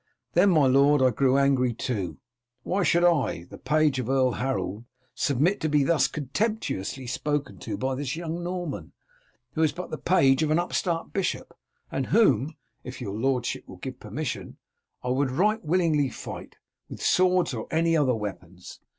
Then, my lord, I grew angry too. Why should I, the page of Earl Harold, submit to be thus contemptuously spoken to by this young Norman, who is but the page of an upstart bishop, and whom, if your lordship will give permission, I would right willingly fight, with swords or any other weapons.